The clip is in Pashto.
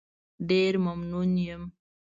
ډېر ممنون یم.